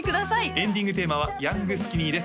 エンディングテーマはヤングスキニーです